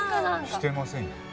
してませんよ。